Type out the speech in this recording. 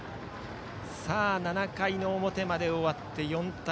７回の表まで終わって４対２。